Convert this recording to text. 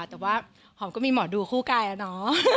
แต่ว่าหอมก็มีหมอดูคู่กายแล้วเนาะ